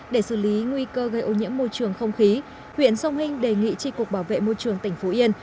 để xử lý nguy cơ gây ô nhiễm môi trường không khí huyện sông hinh đề nghị tri cục bảo vệ môi trường tỉnh phú yên